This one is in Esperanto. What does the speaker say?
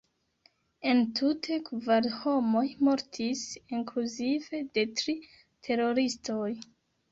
Entute, kvar homoj mortis, inkluzive de tri teroristoj.